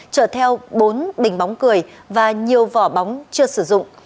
chở theo bốn bình bóng cười và nhiều vỏ bóng chưa sử dụng